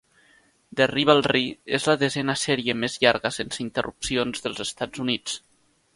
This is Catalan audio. The rivalry és la desena sèrie més llarga sense interrupcions dels Estats Units.